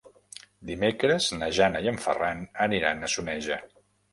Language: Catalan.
Dimecres na Jana i en Ferran aniran a Soneja.